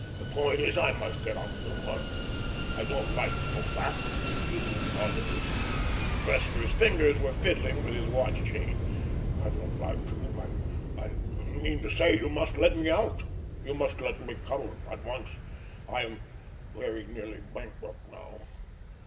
The point is I must get out of the market. I don't like to go back on you others" Cressler's fingers were fiddling with his watch chain "I don't like to I mean to say you must let me out. You must let me cover at once. I am very nearly bankrupt now.